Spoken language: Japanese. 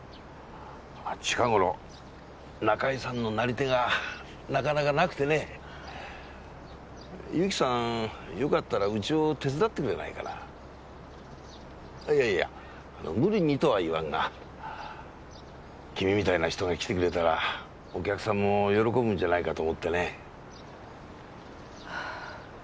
近頃仲居さんのなり手がなかなかなく友紀さんよかったらうちを手伝っいやいや無理にとは言わんが君みたいな人が来てくれたらお客さんも喜ぶんじゃないかと思ってね